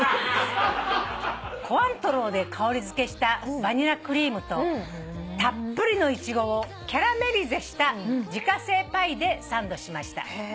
コアントローで香り付けしたバニラクリームとたっぷりのイチゴをキャラメリゼした自家製パイでサンドしました。